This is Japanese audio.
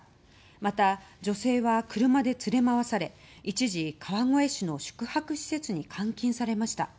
また、女性は車で連れ回され一時、川越市の宿泊施設に監禁されました。